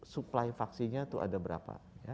supply vaksinnya tuh ada berapa